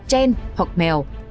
chen hoặc mèo